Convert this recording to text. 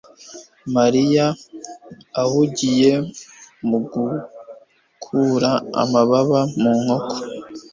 mariya ahugiye mu gukura amababa mu nkoko